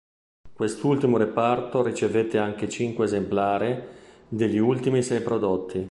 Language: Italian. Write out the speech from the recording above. Quest'ultimo reparto ricevette anche cinque esemplari degli ultimi sei prodotti.